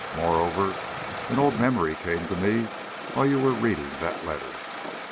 Moreover, an old memory came to me while you were reading that letter.